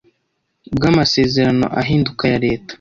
bw amasezerano ahinduka aya Leta